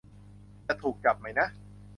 จะถูกจับไหมนะ